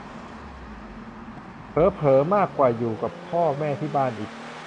เผลอเผลอมากกว่าอยู่กับพ่อแม่ที่บ้านอีก